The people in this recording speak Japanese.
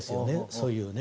そういうね。